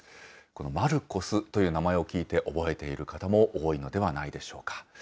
このマルコスという名前を聞いて、覚えている方も多いのではないでしょうか。